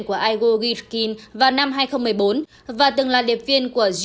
của các nghi phạm vụ việc này